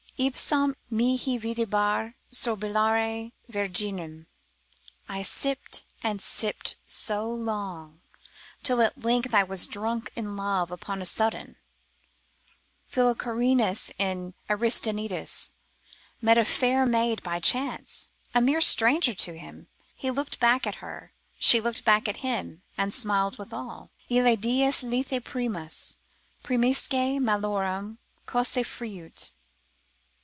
Ipsam mihi videbar sorbillare virginem, I sipped and sipped so long, till at length I was drunk in love upon a sudden. Philocharinus, in Aristaenetus, met a fair maid by chance, a mere stranger to him, he looked back at her, she looked back at him again, and smiled withal. Ille dies lethi primus, primusque malorum Causa fuit.